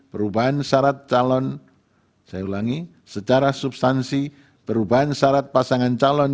perubahan syarat calon pkpu dua puluh tiga tahun dua ribu dua puluh tiga